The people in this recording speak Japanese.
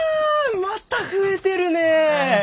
また増えてるね！